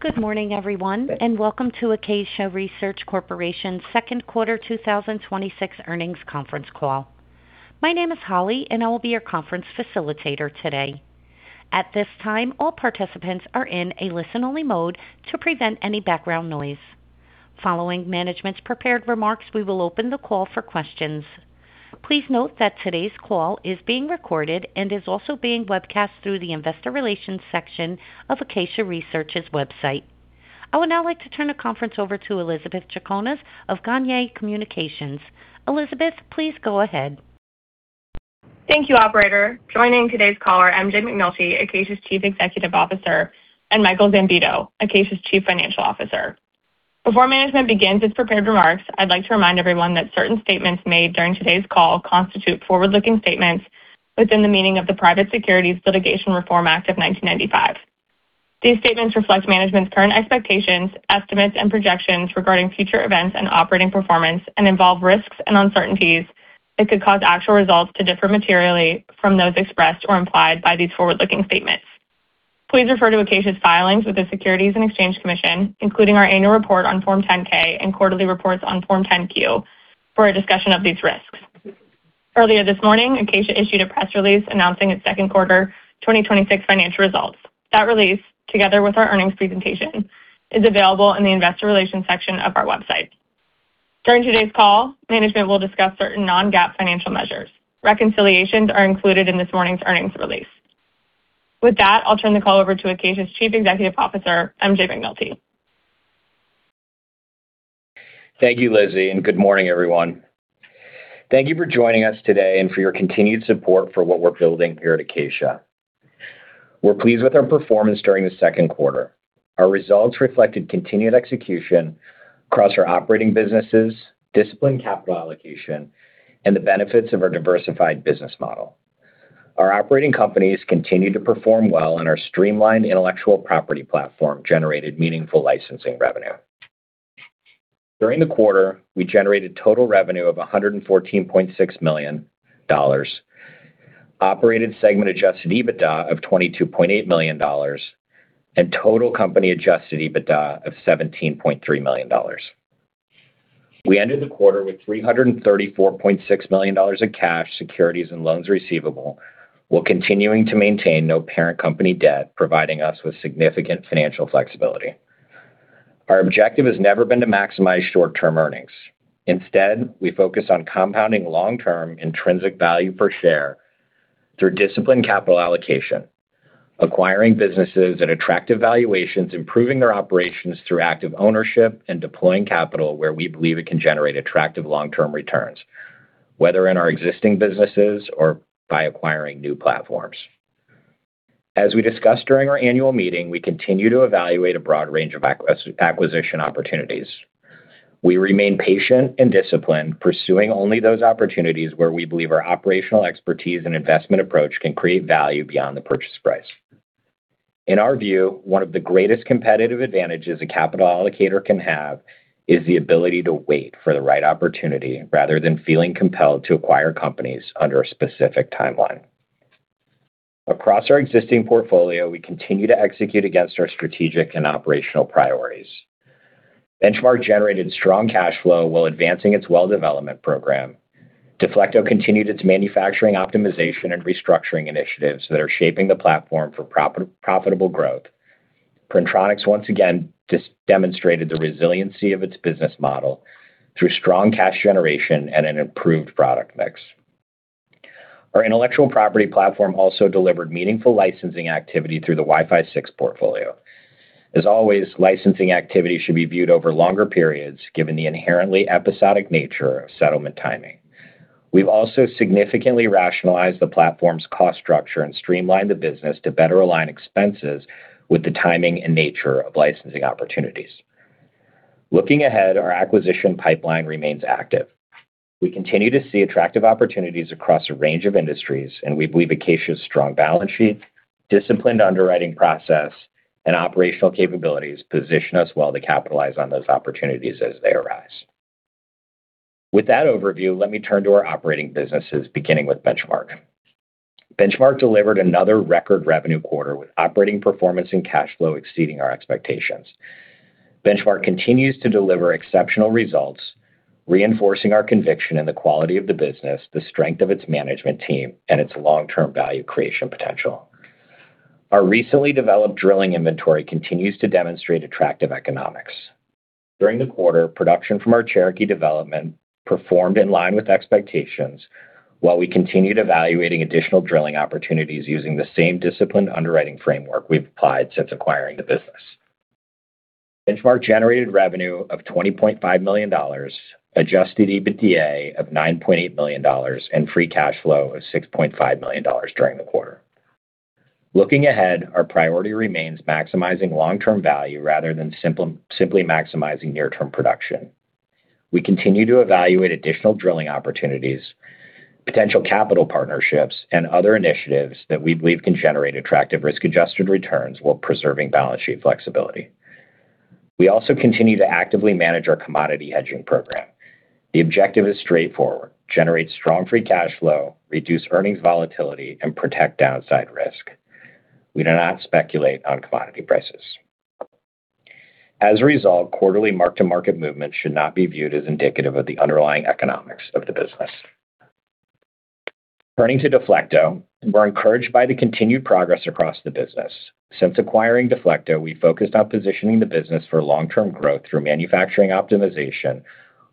Good morning, everyone. Welcome to Acacia Research Corporation's second quarter 2026 earnings conference call. My name is Holly and I will be your conference facilitator today. At this time, all participants are in a listen-only mode to prevent any background noise. Following management's prepared remarks, we will open the call for questions. Please note that today's call is being recorded and is also being webcast through the investor relations section of Acacia Research's website. I would now like to turn the conference over to Elizabeth Chaconas of Gagnier Communications. Elizabeth, please go ahead. Thank you, operator. Joining today's call are MJ McNulty, Acacia's Chief Executive Officer, and Michael Zambito, Acacia's Chief Financial Officer. Before management begins its prepared remarks, I'd like to remind everyone that certain statements made during today's call constitute forward-looking statements within the meaning of the Private Securities Litigation Reform Act of 1995. These statements reflect management's current expectations, estimates, and projections regarding future events and operating performance, involve risks and uncertainties that could cause actual results to differ materially from those expressed or implied by these forward-looking statements. Please refer to Acacia's filings with the Securities and Exchange Commission, including our annual report on Form 10-K and quarterly reports on Form 10-Q, for a discussion of these risks. Earlier this morning, Acacia issued a press release announcing its second quarter 2026 financial results. That release, together with our earnings presentation, is available in the investor relations section of our website. During today's call, management will discuss certain non-GAAP financial measures. Reconciliations are included in this morning's earnings release. With that, I'll turn the call over to Acacia's Chief Executive Officer, MJ McNulty. Thank you, Lizzie. Good morning everyone. Thank you for joining us today and for your continued support for what we're building here at Acacia. We're pleased with our performance during the second quarter. Our results reflected continued execution across our operating businesses, disciplined capital allocation, the benefits of our diversified business model. Our operating companies continue to perform well on our streamlined intellectual property platform, generated meaningful licensing revenue. During the quarter, we generated total revenue of $114.6 million, operated segment adjusted EBITDA of $22.8 million and total company adjusted EBITDA of $17.3 million. We ended the quarter with $334.6 million in cash, securities, and loans receivable, while continuing to maintain no parent company debt, providing us with significant financial flexibility. Our objective has never been to maximize short-term earnings. Instead, we focus on compounding long-term intrinsic value per share through disciplined capital allocation, acquiring businesses at attractive valuations, improving their operations through active ownership, and deploying capital where we believe it can generate attractive long-term returns, whether in our existing businesses or by acquiring new platforms. As we discussed during our annual meeting, we continue to evaluate a broad range of acquisition opportunities. We remain patient and disciplined, pursuing only those opportunities where we believe our operational expertise and investment approach can create value beyond the purchase price. In our view, one of the greatest competitive advantages a capital allocator can have is the ability to wait for the right opportunity rather than feeling compelled to acquire companies under a specific timeline. Across our existing portfolio, we continue to execute against our strategic and operational priorities. Benchmark generated strong cash flow while advancing its well development program. Deflecto continued its manufacturing optimization and restructuring initiatives that are shaping the platform for profitable growth. Printronix once again demonstrated the resiliency of its business model through strong cash generation and an improved product mix. Our intellectual property platform also delivered meaningful licensing activity through the Wi-Fi 6 portfolio. As always, licensing activity should be viewed over longer periods, given the inherently episodic nature of settlement timing. We've also significantly rationalized the platform's cost structure and streamlined the business to better align expenses with the timing and nature of licensing opportunities. Looking ahead, our acquisition pipeline remains active. We continue to see attractive opportunities across a range of industries, and we believe Acacia's strong balance sheet, disciplined underwriting process, and operational capabilities position us well to capitalize on those opportunities as they arise. With that overview, let me turn to our operating businesses, beginning with Benchmark. Benchmark delivered another record revenue quarter with operating performance and cash flow exceeding our expectations. Benchmark continues to deliver exceptional results, reinforcing our conviction in the quality of the business, the strength of its management team, and its long-term value creation potential. Our recently developed drilling inventory continues to demonstrate attractive economics. During the quarter, production from our Cherokee development performed in line with expectations, while we continued evaluating additional drilling opportunities using the same disciplined underwriting framework we've applied since acquiring the business. Benchmark generated revenue of $20.5 million, adjusted EBITDA of $9.8 million and free cash flow of $6.5 million during the quarter. Looking ahead, our priority remains maximizing long-term value rather than simply maximizing near-term production. We continue to evaluate additional drilling opportunities, potential capital partnerships, and other initiatives that we believe can generate attractive risk-adjusted returns while preserving balance sheet flexibility. We also continue to actively manage our commodity hedging program. The objective is straightforward: generate strong free cash flow, reduce earnings volatility, and protect downside risk. We do not speculate on commodity prices. As a result, quarterly mark-to-market movements should not be viewed as indicative of the underlying economics of the business. Turning to Deflecto, we're encouraged by the continued progress across the business. Since acquiring Deflecto, we've focused on positioning the business for long-term growth through manufacturing optimization,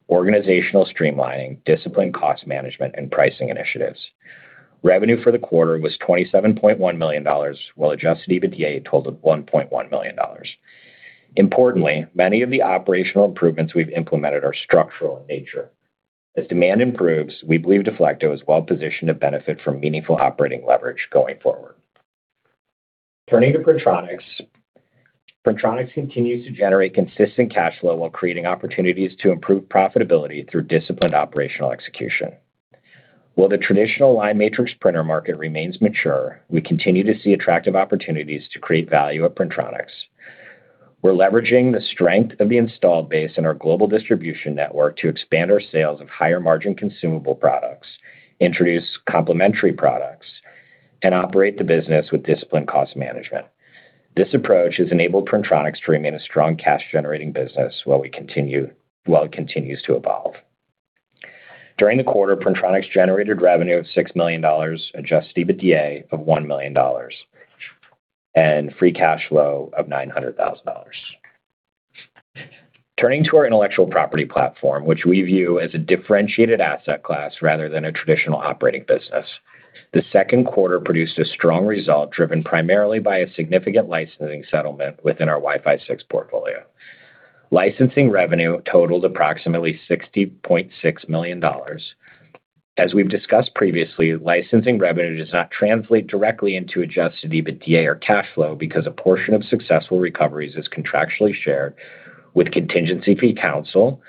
organizational streamlining, disciplined cost management, and pricing initiatives. Revenue for the quarter was $27.1 million, while adjusted EBITDA totaled $1.1 million. Importantly, many of the operational improvements we've implemented are structural in nature. As demand improves, we believe Deflecto is well-positioned to benefit from meaningful operating leverage going forward. Turning to Printronix. Printronix continues to generate consistent cash flow while creating opportunities to improve profitability through disciplined operational execution. While the traditional line matrix printer market remains mature, we continue to see attractive opportunities to create value at Printronix. We're leveraging the strength of the installed base and our global distribution network to expand our sales of higher-margin consumable products, introduce complementary products, and operate the business with disciplined cost management. This approach has enabled Printronix to remain a strong cash-generating business while it continues to evolve. During the quarter, Printronix generated revenue of $6 million, adjusted EBITDA of $1 million, and free cash flow of $900,000. Turning to our intellectual property platform, which we view as a differentiated asset class rather than a traditional operating business. The second quarter produced a strong result driven primarily by a significant licensing settlement within our Wi-Fi 6 portfolio. Licensing revenue totaled approximately $60.6 million. As we've discussed previously, licensing revenue does not translate directly into adjusted EBITDA or cash flow because a portion of successful recoveries is contractually shared with contingency fee counsel,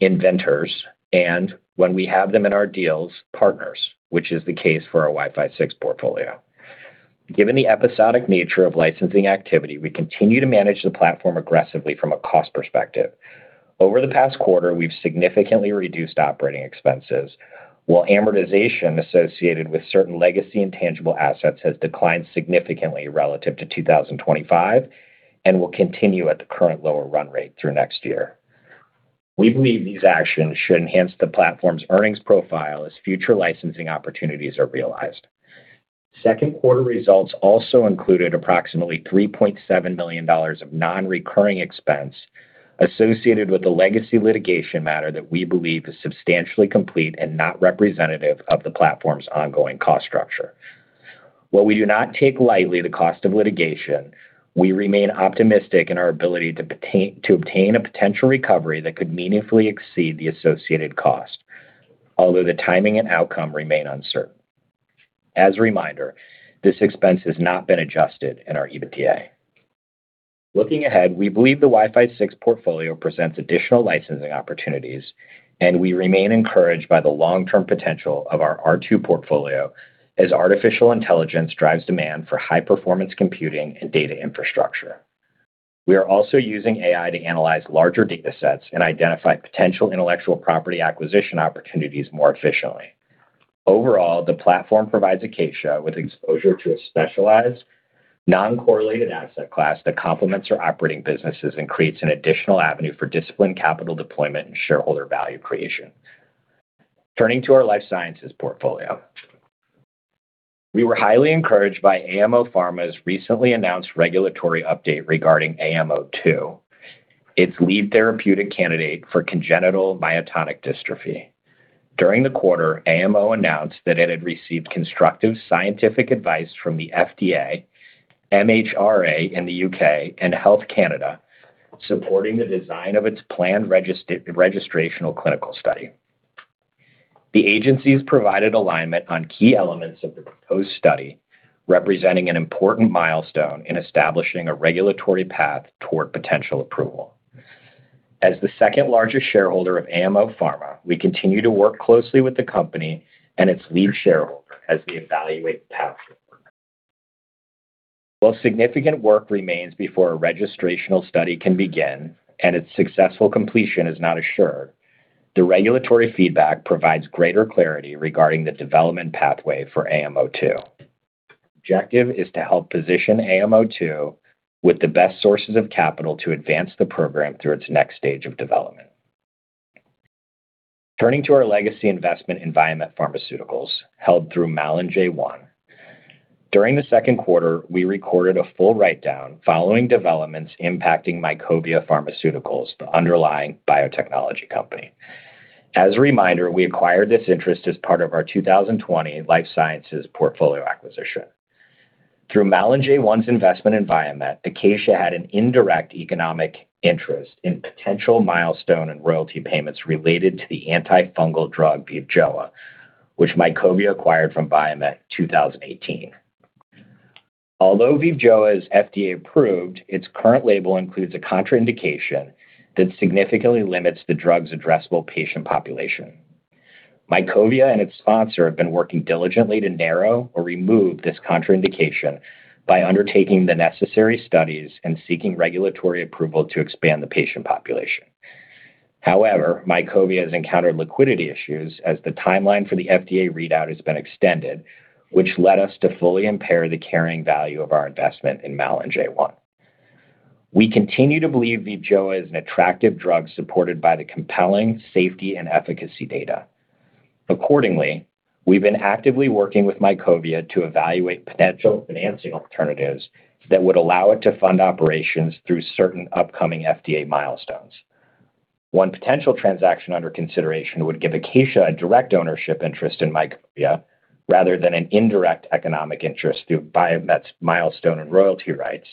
inventors, and, when we have them in our deals, partners, which is the case for our Wi-Fi 6 portfolio. Given the episodic nature of licensing activity, we continue to manage the platform aggressively from a cost perspective. Over the past quarter, we've significantly reduced operating expenses, while amortization associated with certain legacy intangible assets has declined significantly relative to 2025 and will continue at the current lower run rate through next year. We believe these actions should enhance the platform's earnings profile as future licensing opportunities are realized. Second quarter results also included approximately $3.7 million of non-recurring expense associated with a legacy litigation matter that we believe is substantially complete and not representative of the platform's ongoing cost structure. While we do not take lightly the cost of litigation, we remain optimistic in our ability to obtain a potential recovery that could meaningfully exceed the associated cost, although the timing and outcome remain uncertain. As a reminder, this expense has not been adjusted in our EBITDA. Looking ahead, we believe the Wi-Fi 6 portfolio presents additional licensing opportunities, and we remain encouraged by the long-term potential of our R2 portfolio as artificial intelligence drives demand for high-performance computing and data infrastructure. We are also using AI to analyze larger data sets and identify potential intellectual property acquisition opportunities more efficiently. Overall, the platform provides Acacia with exposure to a specialized, non-correlated asset class that complements our operating businesses and creates an additional avenue for disciplined capital deployment and shareholder value creation. Turning to our life sciences portfolio. We were highly encouraged by AMO Pharma's recently announced regulatory update regarding AMO-02, its lead therapeutic candidate for congenital myotonic dystrophy. During the quarter, AMO announced that it had received constructive scientific advice from the FDA, MHRA in the U.K., and Health Canada, supporting the design of its planned registrational clinical study. The agencies provided alignment on key elements of the proposed study, representing an important milestone in establishing a regulatory path toward potential approval. As the second-largest shareholder of AMO Pharma, we continue to work closely with the company and its lead shareholder as we evaluate the path forward. While significant work remains before a registrational study can begin and its successful completion is not assured, the regulatory feedback provides greater clarity regarding the development pathway for AMO-02. The objective is to help position AMO-02 with the best sources of capital to advance the program through its next stage of development. Turning to our legacy investment in Viamet Pharmaceuticals, held through MalinJ1. During the second quarter, we recorded a full write-down following developments impacting Mycovia Pharmaceuticals, the underlying biotechnology company. As a reminder, we acquired this interest as part of our 2020 life sciences portfolio acquisition. Through MalinJ1's investment in Viamet, Acacia had an indirect economic interest in potential milestone and royalty payments related to the antifungal drug, VIVJOA, which Mycovia acquired from Viamet in 2018. Although VIVJOA is FDA approved, its current label includes a contraindication that significantly limits the drug's addressable patient population. Mycovia and its sponsor have been working diligently to narrow or remove this contraindication by undertaking the necessary studies and seeking regulatory approval to expand the patient population. However, Mycovia has encountered liquidity issues as the timeline for the FDA readout has been extended, which led us to fully impair the carrying value of our investment in MalinJ1. We continue to believe VIVJOA is an attractive drug supported by the compelling safety and efficacy data. Accordingly, we've been actively working with Mycovia to evaluate potential financing alternatives that would allow it to fund operations through certain upcoming FDA milestones. One potential transaction under consideration would give Acacia a direct ownership interest in Mycovia, rather than an indirect economic interest through Viamet's milestone and royalty rights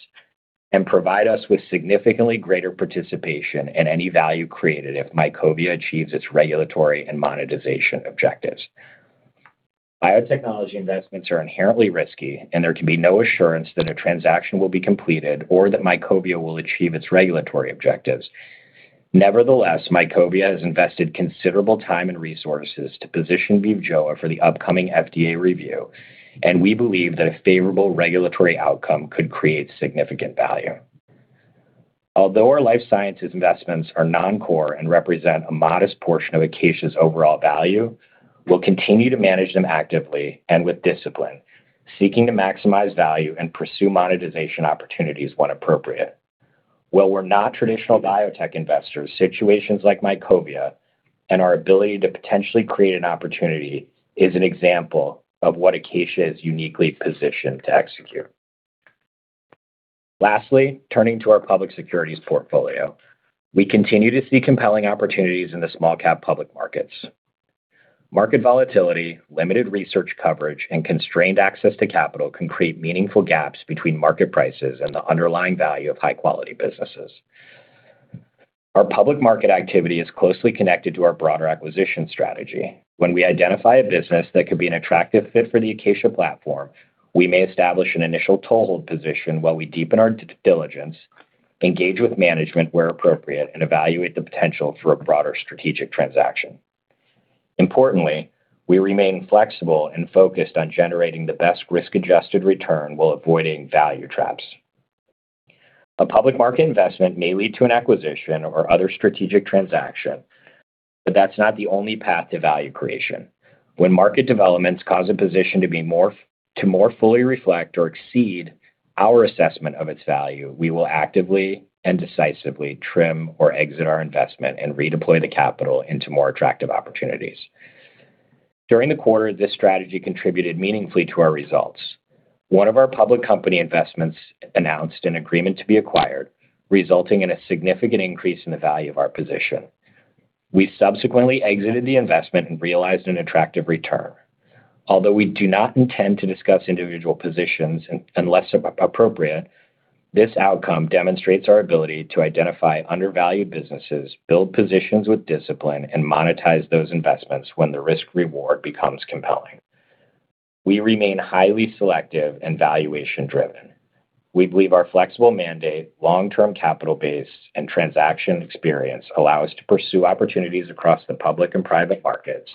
and provide us with significantly greater participation in any value created if Mycovia achieves its regulatory and monetization objectives. Biotechnology investments are inherently risky, and there can be no assurance that a transaction will be completed or that Mycovia will achieve its regulatory objectives. Nevertheless, Mycovia has invested considerable time and resources to position VIVJOA for the upcoming FDA review, and we believe that a favorable regulatory outcome could create significant value. Although our life sciences investments are non-core and represent a modest portion of Acacia's overall value, we'll continue to manage them actively and with discipline, seeking to maximize value and pursue monetization opportunities when appropriate. While we're not traditional biotech investors, situations like Mycovia and our ability to potentially create an opportunity is an example of what Acacia is uniquely positioned to execute. Lastly, turning to our public securities portfolio. We continue to see compelling opportunities in the small-cap public markets. Market volatility, limited research coverage, and constrained access to capital can create meaningful gaps between market prices and the underlying value of high-quality businesses. Our public market activity is closely connected to our broader acquisition strategy. When we identify a business that could be an attractive fit for the Acacia platform, we may establish an initial toehold position while we deepen our due diligence, engage with management where appropriate, and evaluate the potential for a broader strategic transaction. Importantly, we remain flexible and focused on generating the best risk-adjusted return while avoiding value traps. A public market investment may lead to an acquisition or other strategic transaction. That's not the only path to value creation. When market developments cause a position to more fully reflect or exceed our assessment of its value, we will actively and decisively trim or exit our investment and redeploy the capital into more attractive opportunities. During the quarter, this strategy contributed meaningfully to our results. One of our public company investments announced an agreement to be acquired, resulting in a significant increase in the value of our position. We subsequently exited the investment and realized an attractive return. Although we do not intend to discuss individual positions unless appropriate, this outcome demonstrates our ability to identify undervalued businesses, build positions with discipline, and monetize those investments when the risk/reward becomes compelling. We remain highly selective and valuation driven. We believe our flexible mandate, long-term capital base, and transaction experience allow us to pursue opportunities across the public and private markets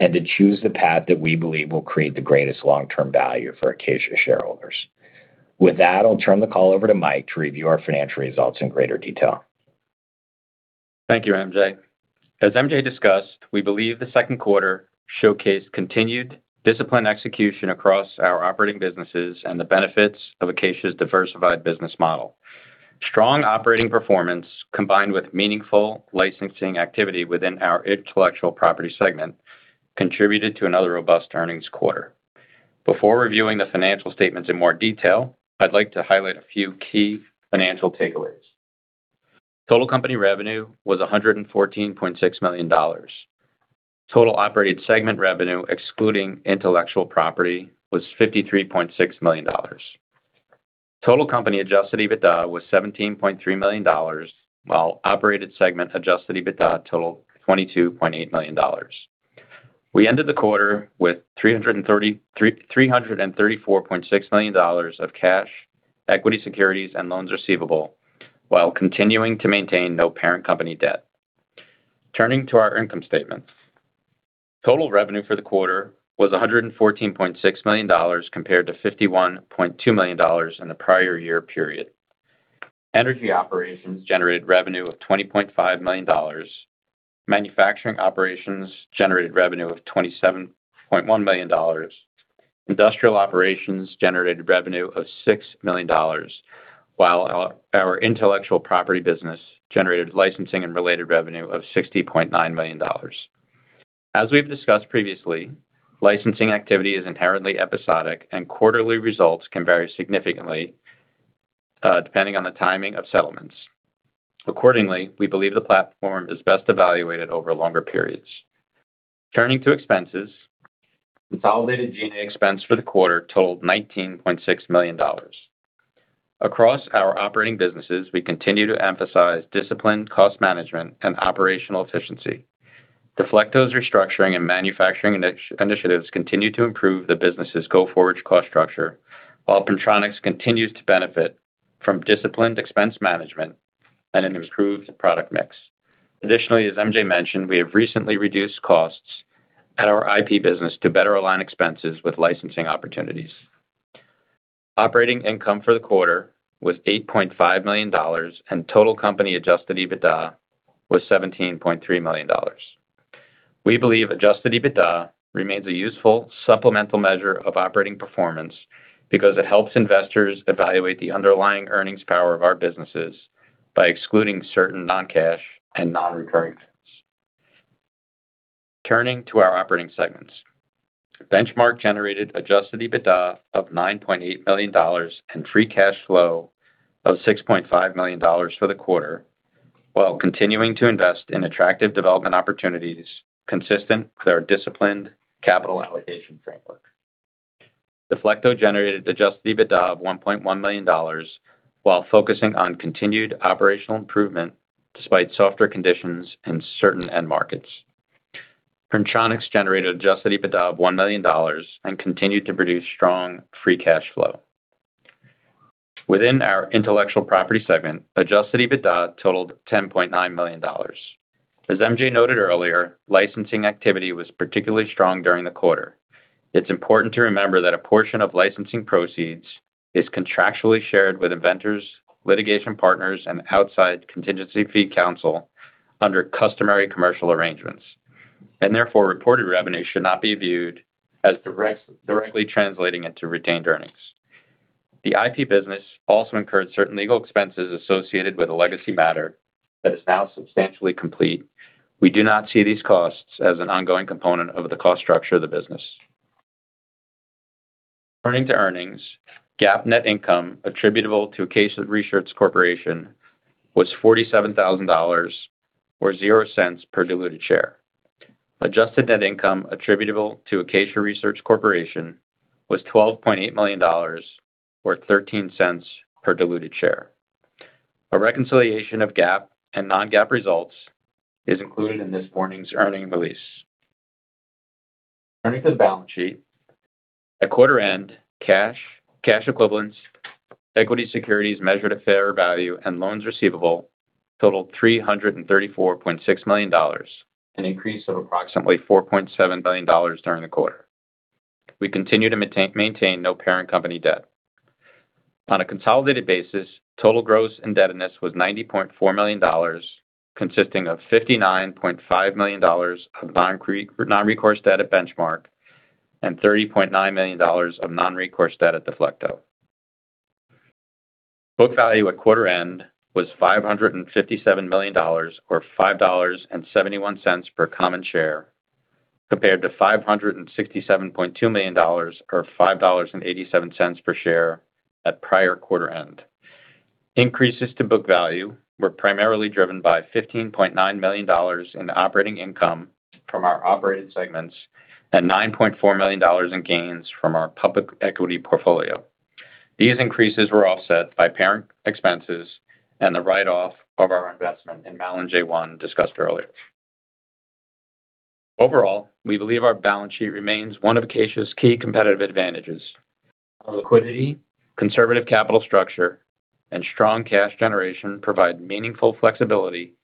and to choose the path that we believe will create the greatest long-term value for Acacia shareholders. With that, I'll turn the call over to Mike to review our financial results in greater detail. Thank you, MJ. As MJ discussed, we believe the second quarter showcased continued disciplined execution across our operating businesses and the benefits of Acacia's diversified business model. Strong operating performance, combined with meaningful licensing activity within our intellectual property segment, contributed to another robust earnings quarter. Before reviewing the financial statements in more detail, I'd like to highlight a few key financial takeaways. Total company revenue was $114.6 million. Total operated segment revenue, excluding intellectual property, was $53.6 million. Total company adjusted EBITDA was $17.3 million, while operated segment adjusted EBITDA totaled $22.8 million. We ended the quarter with $334.6 million of cash, equity securities, and loans receivable while continuing to maintain no parent company debt. Turning to our income statement. Total revenue for the quarter was $114.6 million, compared to $51.2 million in the prior year period. Energy operations generated revenue of $20.5 million. Manufacturing operations generated revenue of $27.1 million. Industrial operations generated revenue of $6 million, while our intellectual property business generated licensing and related revenue of $60.9 million. As we've discussed previously, licensing activity is inherently episodic, and quarterly results can vary significantly, depending on the timing of settlements. Accordingly, we believe the platform is best evaluated over longer periods. Turning to expenses. Consolidated G&A expense for the quarter totaled $19.6 million. Across our operating businesses, we continue to emphasize disciplined cost management and operational efficiency. Deflecto's restructuring and manufacturing initiatives continue to improve the business's go-forward cost structure, while Printronix continues to benefit from disciplined expense management and an improved product mix. Additionally, as MJ mentioned, we have recently reduced costs at our IP business to better align expenses with licensing opportunities. Operating income for the quarter was $8.5 million, and total company adjusted EBITDA was $17.3 million. We believe adjusted EBITDA remains a useful supplemental measure of operating performance because it helps investors evaluate the underlying earnings power of our businesses by excluding certain non-cash and non-recurring events. Turning to our operating segments. Benchmark generated adjusted EBITDA of $9.8 million and free cash flow of $6.5 million for the quarter while continuing to invest in attractive development opportunities consistent with our disciplined capital allocation framework. Deflecto generated adjusted EBITDA of $1.1 million while focusing on continued operational improvement despite softer conditions in certain end markets. Printronix generated adjusted EBITDA of $1 million and continued to produce strong free cash flow. Within our intellectual property segment, adjusted EBITDA totaled $10.9 million. As MJ noted earlier, licensing activity was particularly strong during the quarter. It's important to remember that a portion of licensing proceeds is contractually shared with inventors, litigation partners, and outside contingency fee counsel under customary commercial arrangements. Therefore, reported revenue should not be viewed as directly translating into retained earnings. The IP business also incurred certain legal expenses associated with a legacy matter that is now substantially complete. We do not see these costs as an ongoing component of the cost structure of the business. Turning to earnings, GAAP net income attributable to Acacia Research Corporation was $47,000, or $0.00 per diluted share. Adjusted net income attributable to Acacia Research Corporation was $12.8 million or $0.13 per diluted share. A reconciliation of GAAP and non-GAAP results is included in this morning's earnings release. Turning to the balance sheet, at quarter end, cash equivalents, equity securities measured at fair value, and loans receivable totaled $334.6 million, an increase of approximately $4.7 million during the quarter. We continue to maintain no parent company debt. On a consolidated basis, total gross indebtedness was $90.4 million, consisting of $59.5 million of non-recourse debt at Benchmark and $30.9 million of non-recourse debt at Deflecto. Book value at quarter end was $557 million or $5.71 per common share, compared to $567.2 million or $5.87 per share at prior quarter end. Increases to book value were primarily driven by $15.9 million in operating income from our operating segments and $9.4 million in gains from our public equity portfolio. These increases were offset by parent expenses and the write-off of our investment in MalinJ1 discussed earlier. Overall, we believe our balance sheet remains one of Acacia's key competitive advantages. Our liquidity, conservative capital structure, and strong cash generation provide meaningful flexibility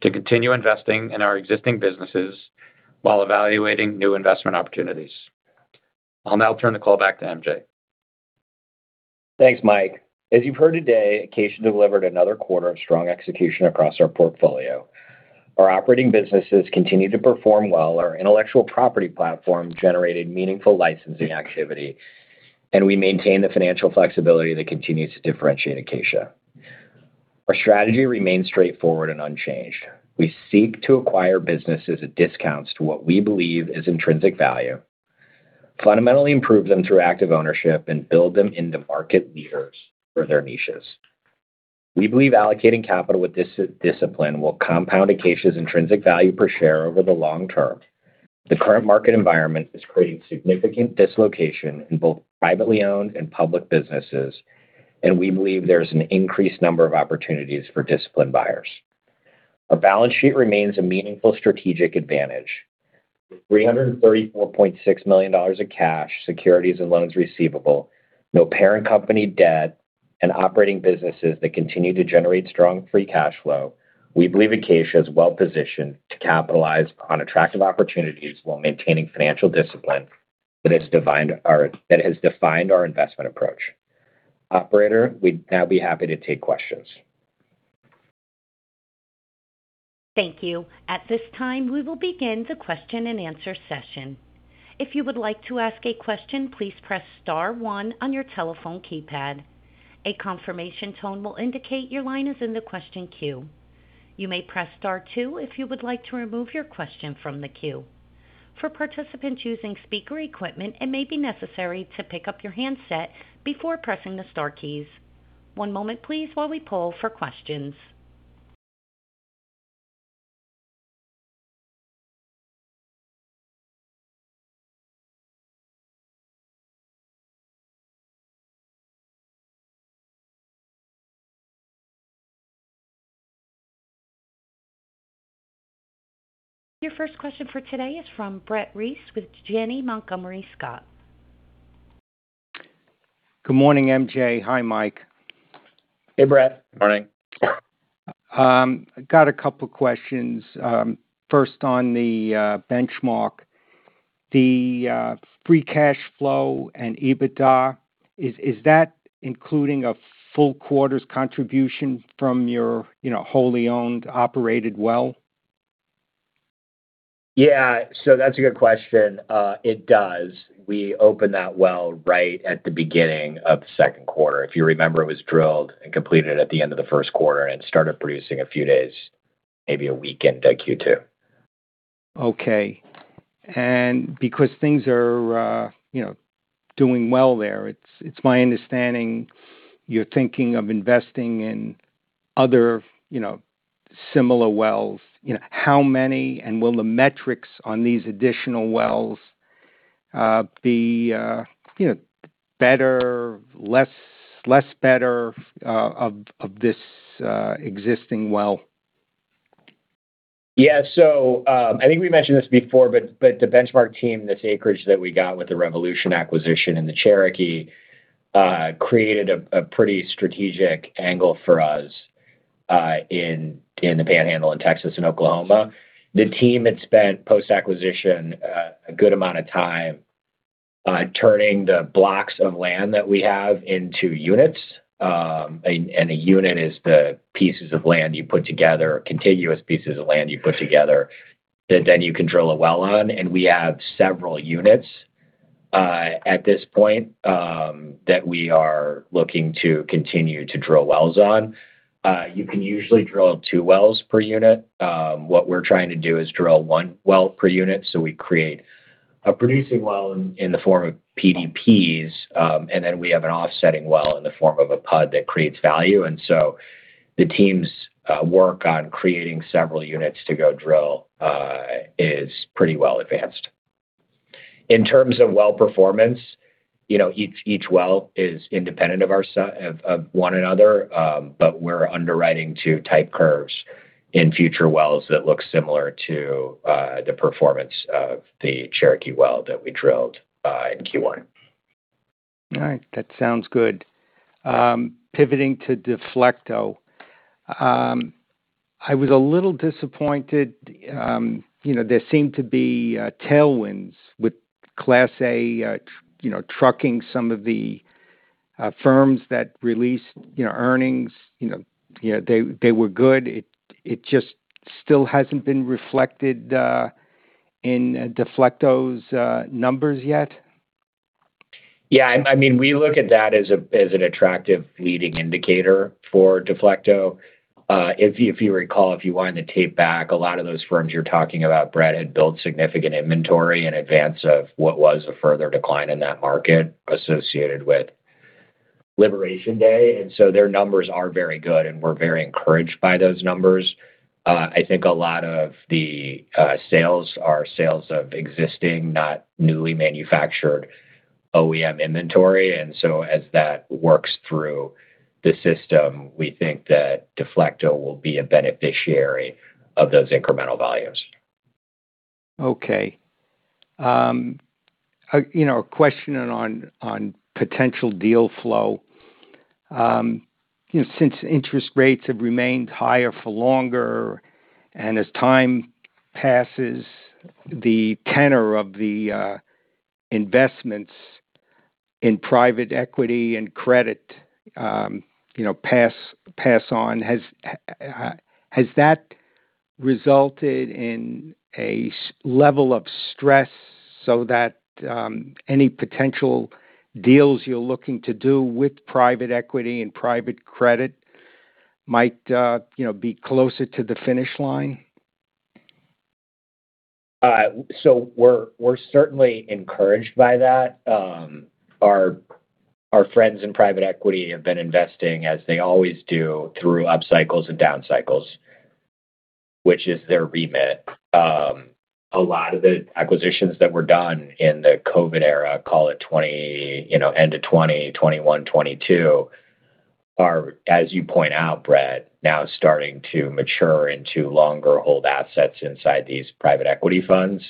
to continue investing in our existing businesses while evaluating new investment opportunities. I'll now turn the call back to MJ. Thanks, Mike. As you've heard today, Acacia delivered another quarter of strong execution across our portfolio. Our operating businesses continue to perform well. Our intellectual property platform generated meaningful licensing activity, and we maintain the financial flexibility that continues to differentiate Acacia. Our strategy remains straightforward and unchanged. We seek to acquire businesses at discounts to what we believe is intrinsic value, fundamentally improve them through active ownership, and build them into market leaders for their niches. We believe allocating capital with discipline will compound Acacia's intrinsic value per share over the long term. The current market environment is creating significant dislocation in both privately owned and public businesses, and we believe there is an increased number of opportunities for disciplined buyers. Our balance sheet remains a meaningful strategic advantage. With $334.6 million in cash, securities, and loans receivable, no parent company debt, and operating businesses that continue to generate strong free cash flow, we believe Acacia is well-positioned to capitalize on attractive opportunities while maintaining financial discipline that has defined our investment approach. Operator, we'd now be happy to take questions. Thank you. At this time, we will begin the question-and-answer session. If you would like to ask a question, please press star one on your telephone keypad. A confirmation tone will indicate your line is in the question queue. You may press star two if you would like to remove your question from the queue. For participants using speaker equipment, it may be necessary to pick up your handset before pressing the star keys. One moment, please, while we poll for questions. Your first question for today is from Brett Reiss with Janney Montgomery Scott. Good morning, MJ. Hi, Mike. Hey, Brett. Morning. I got a couple questions. First, on the Benchmark. The free cash flow and EBITDA, is that including a full quarter's contribution from your wholly owned operated well? That's a good question. It does. We open that well right at the beginning of the second quarter. If you remember, it was drilled and completed at the end of the first quarter and started producing a few days, maybe a week into Q2. Okay. Because things are doing well there, it's my understanding you're thinking of investing in other similar wells. How many? Will the metrics on these additional wells be better, less better of this existing well? Yeah. I think we mentioned this before, but the Benchmark team, this acreage that we got with the Revolution acquisition and the Cherokee, created a pretty strategic angle for us, in the Panhandle in Texas and Oklahoma. The team had spent post-acquisition, a good amount of time turning the blocks of land that we have into units. A unit is the pieces of land you put together, contiguous pieces of land you put together that then you can drill a well on. We have several units at this point that we are looking to continue to drill wells on. You can usually drill two wells per unit. What we're trying to do is drill one well per unit, so we create a producing well in the form of PDPs. Then we have an offsetting well in the form of a PUD that creates value. The team's work on creating several units to go drill is pretty well advanced. In terms of well performance, each well is independent of one another. We're underwriting to type curves in future wells that look similar to the performance of the Cherokee well that we drilled in Q1. All right. That sounds good. Pivoting to Deflecto. I was a little disappointed. There seemed to be tailwinds with Class 8 trucking. Some of the firms that released earnings, they were good. It just still hasn't been reflected in Deflecto's numbers yet. Yeah, we look at that as an attractive leading indicator for Deflecto. If you recall, if you wind the tape back, a lot of those firms you're talking about, Brett, had built significant inventory in advance of what was a further decline in that market associated with Liberation Day. Their numbers are very good, and we're very encouraged by those numbers. I think a lot of the sales are sales of existing, not newly manufactured OEM inventory. As that works through the system, we think that Deflecto will be a beneficiary of those incremental volumes. Okay. A question on potential deal flow. Since interest rates have remained higher for longer, and as time passes, the tenor of the investments in private equity and credit pass on, has that resulted in a level of stress so that any potential deals you're looking to do with private equity and private credit might be closer to the finish line? We're certainly encouraged by that. Our friends in private equity have been investing as they always do through up cycles and down cycles, which is their remit. A lot of the acquisitions that were done in the COVID era, call it end of 2020, 2021, 2022, are, as you point out, Brett, now starting to mature into longer hold assets inside these private equity funds.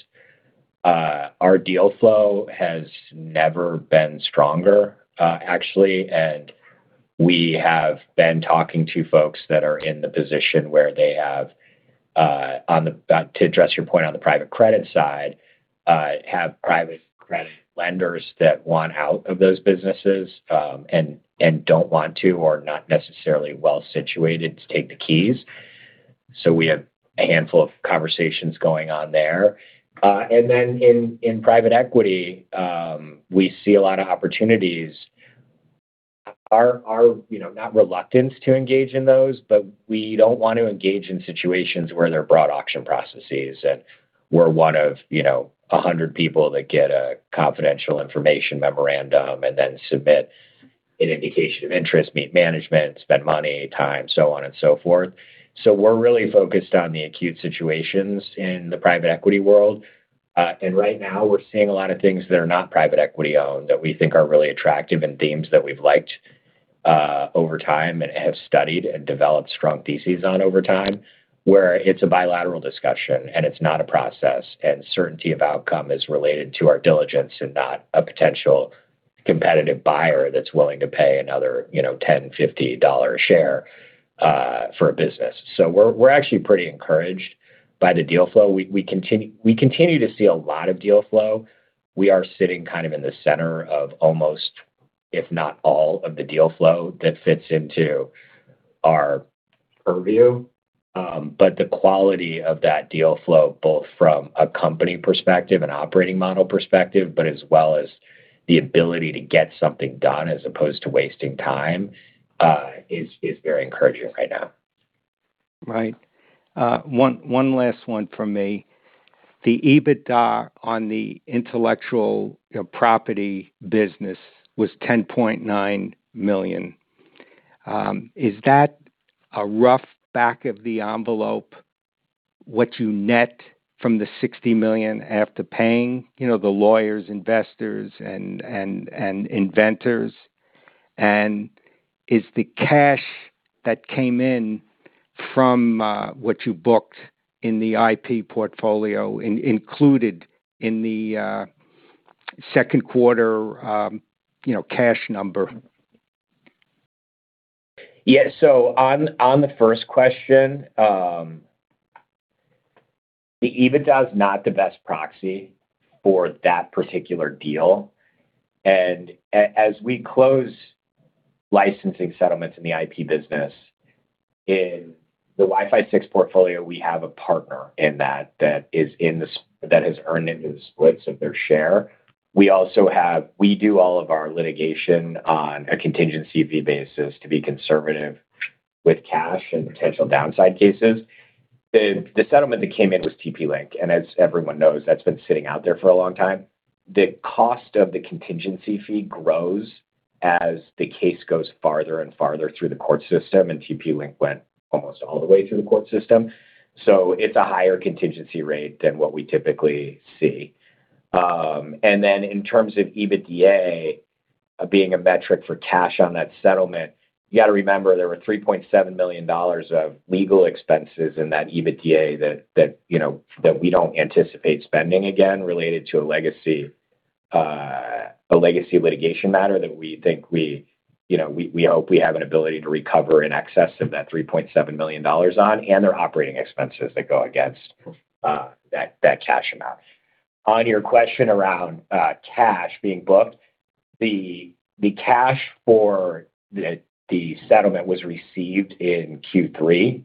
Our deal flow has never been stronger, actually. We have been talking to folks that are in the position where they have, to address your point on the private credit side, have private credit lenders that want out of those businesses, and don't want to or are not necessarily well-situated to take the keys. We have a handful of conversations going on there. In private equity, we see a lot of opportunities. We are not reluctant to engage in those, but we don't want to engage in situations where there are broad auction processes and we're one of 100 people that get a confidential information memorandum and then submit an indication of interest, meet management, spend money, time, so on and so forth. We're really focused on the acute situations in the private equity world. Right now, we're seeing a lot of things that are not private equity-owned that we think are really attractive and themes that we've liked over time and have studied and developed strong theses on over time, where it's a bilateral discussion and it's not a process, and certainty of outcome is related to our diligence and not a potential competitive buyer that's willing to pay another $10, $50 a share for a business. We're actually pretty encouraged by the deal flow. We continue to see a lot of deal flow. We are sitting kind of in the center of almost if not all of the deal flow that fits into our purview. The quality of that deal flow, both from a company perspective and operating model perspective, but as well as the ability to get something done as opposed to wasting time, is very encouraging right now. Right. One last one from me. The EBITDA on the intellectual property business was $10.9 million. Is that a rough back of the envelope, what you net from the $60 million after paying the lawyers, investors, and inventors? Is the cash that came in from what you booked in the IP portfolio included in the second quarter cash number? Yeah. On the first question, the EBITDA is not the best proxy for that particular deal. As we close licensing settlements in the IP business, in the Wi-Fi 6 portfolio, we have a partner in that that has earned into the splits of their share. We do all of our litigation on a contingency fee basis to be conservative with cash and potential downside cases. The settlement that came in was TP-Link, and as everyone knows, that's been sitting out there for a long time. The cost of the contingency fee grows as the case goes farther and farther through the court system, and TP-Link went almost all the way through the court system. It's a higher contingency rate than what we typically see. In terms of EBITDA being a metric for cash on that settlement, you got to remember there were $3.7 million of legal expenses in that EBITDA that we don't anticipate spending again, related to a legacy litigation matter that we hope we have an ability to recover in excess of that $3.7 million on, and their operating expenses that go against that cash amount. On your question around cash being booked, the cash for the settlement was received in Q3,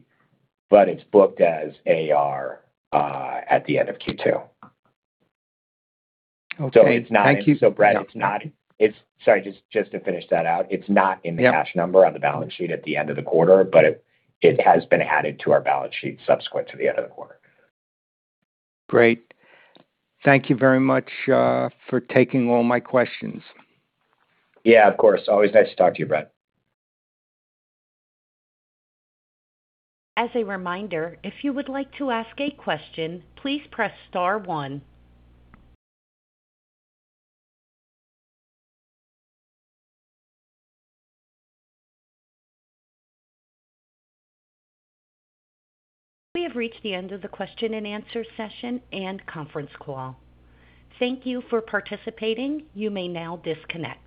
but it's booked as AR at the end of Q2. Okay. Thank you. Brett, Sorry, just to finish that out. Yep Cash number on the balance sheet at the end of the quarter, but it has been added to our balance sheet subsequent to the end of the quarter. Great. Thank you very much for taking all my questions. Yeah, of course. Always nice to talk to you, Brett. As a reminder, if you would like to ask a question, please press star one. We have reached the end of the question and answer session and conference call. Thank you for participating. You may now disconnect.